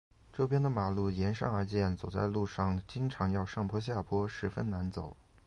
这边的马路沿山而建，走在路上经常要上坡下坡，十分难走。